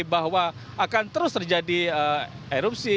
bahwa akan terus terjadi erupsi